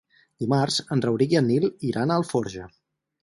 Dimarts en Rauric i en Nil iran a Alforja.